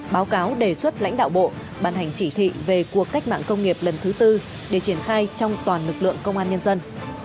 báo cáo đề xuất lãnh đạo bộ ban hành chỉ thị về cuộc cách mạng công nghiệp lần thứ tư để triển khai trong toàn lực lượng công an nhân dân